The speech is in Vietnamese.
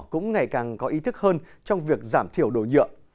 cũng ngày càng có ý thức hơn trong việc giảm thiểu đồ nhựa